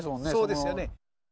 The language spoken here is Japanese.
そうですよね。